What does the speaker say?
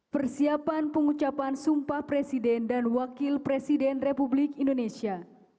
persiapan pengucapan sumpah presiden dan wakil presiden republik indonesia